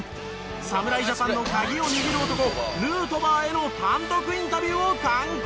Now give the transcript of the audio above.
侍ジャパンの鍵を握る男ヌートバーへの単独インタビューを敢行。